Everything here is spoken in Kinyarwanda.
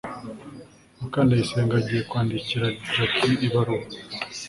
ndacyayisenga agiye kwandikira jaki ibaruwa